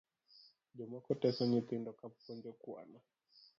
Jomoko teso nyithindo kapuonjo kwano